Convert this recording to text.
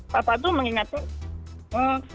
papa tuh mengingatkan